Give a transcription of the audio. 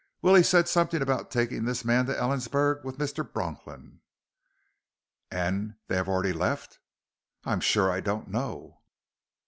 Willie said something about taking this man to Ellensburg with Mr. Bronklin." "And they have already left?" "I'm sure I don't know."